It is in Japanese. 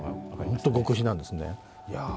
本当に極秘なんですね。